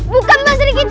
bukan mas rikity